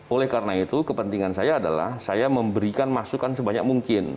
oleh karena itu kepentingan saya adalah saya memberikan masukan sebanyak mungkin